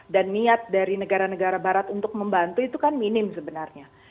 dan niat dari negara negara barat untuk membantu itu kan minim sebenarnya